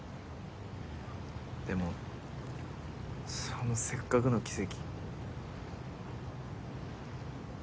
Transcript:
でもそのせっかくの奇跡。